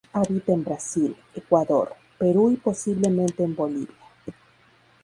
Habita en Brasil, Ecuador, Perú y posiblemente en Bolivia.